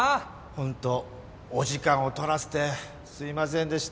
ホントお時間を取らせてすいませんでした。